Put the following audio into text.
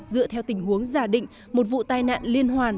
dựa theo tình huống giả định một vụ tai nạn liên hoàn